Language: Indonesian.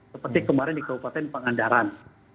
seperti kemarin di kabupaten pangandaran